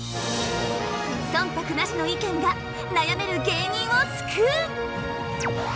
忖度なしの意見が悩める芸人を救う！